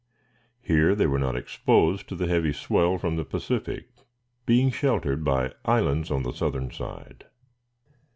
Here they were not exposed to the heavy swell from the Pacific, being sheltered by islands on the southern side.